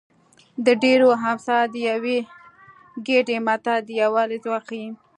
د ډېرو امسا د یوه ګېډۍ متل د یووالي ځواک ښيي